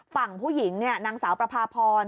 ฝั่งผู้หญิงนางสาวประพาพร